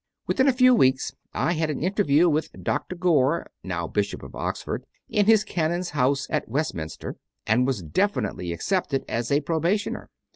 Within a few weeks I had an interview with Dr. Gore (now Bishop of Oxford) in his canon s house at Westminster, and was definitely accepted as a probationer.